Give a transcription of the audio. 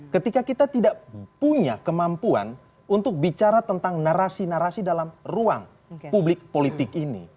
ketika kita tidak punya kemampuan untuk bicara tentang narasi narasi dalam ruang publik politik ini